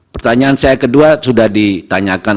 pertanyaan saya kedua sudah ditanyakan